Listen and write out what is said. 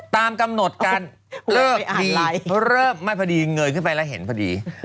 ตามกำหนดการเลิกไม่พอดีเงยขึ้นไปแล้วเห็นพอดี